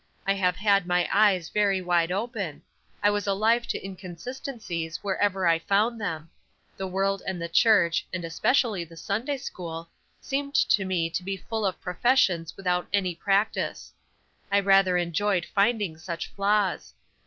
I have had my eyes very wide open; I was alive to inconsistencies wherever I found them; the world and the church, and especially the Sunday school, seemed to me to be full of professions without any practice. I rather enjoyed finding such flaws.